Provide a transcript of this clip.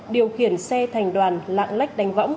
điều khiển xe thành đoàn lạng lách đánh võng